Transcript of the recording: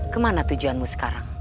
kemana tujuanmu sekarang